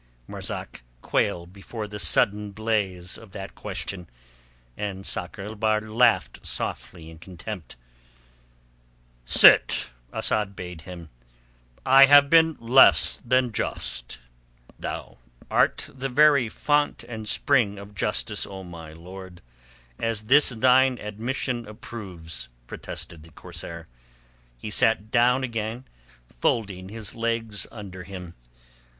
Marzak quailed before the sudden blaze of that question, and Sakr el Bahr laughed softly in contempt. "Sit," Asad bade him. "I have been less than just." "Thou art the very fount and spring of justice, O my lord, as this thine admission proves," protested the corsair. He sat down again, folding his legs under him.